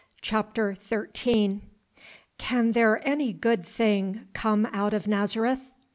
CHAPTER XIII "Can there any good thing come out of Nazareth?"